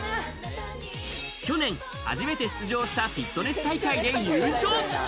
去年初めて出場したフィットネス大会で優勝。